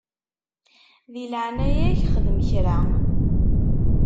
Di leɛnaya-k xdem kra.